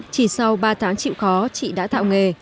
chỉ sau ba tháng chịu khó chị đã tạo nghề